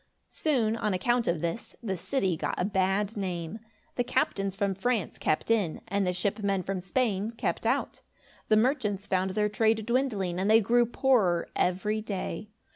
Soon, on account of this, the city got a bad name. The captains from France kept in, and the ship men from Spain kept out. The merchants found their trade dwindling, and they grew poorer every day.